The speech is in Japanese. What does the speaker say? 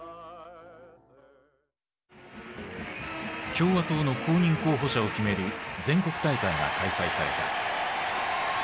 共和党の公認候補者を決める全国大会が開催された。